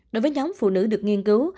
đối với nhóm phụ nữ được nghiên cứu